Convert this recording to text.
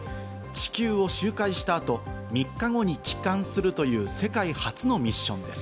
地球を周回した後、３日後に帰還するという世界初のミッションです。